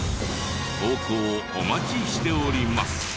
投稿お待ちしております。